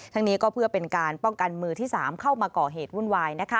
นี้ก็เพื่อเป็นการป้องกันมือที่๓เข้ามาก่อเหตุวุ่นวาย